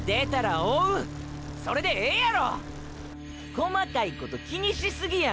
細かいこと気にしすぎや。